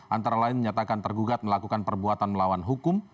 antara lain menyatakan tergugat melakukan perbuatan melawan hukum